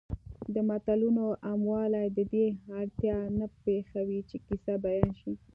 د متلونو عاموالی د دې اړتیا نه پېښوي چې کیسه بیان شي